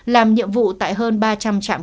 làm nhiệm vụ tại hơn ba trăm linh trạm